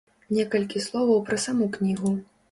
Некалькі словаў пра саму кнігу.